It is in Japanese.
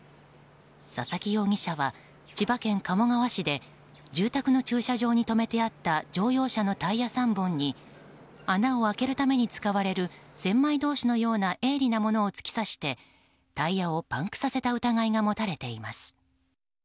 佐々木容疑者は千葉県鴨川市で住宅の駐車場に止めてあった乗用車のタイヤ３本に穴を開けるために使われる千枚通しのような鋭利なものを突き刺してタイヤをパンクさせた疑いが持たれています。